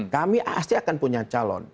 kami pasti akan punya calon